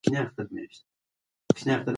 دا پوسټ د یو متخصص لخوا لیکل شوی دی.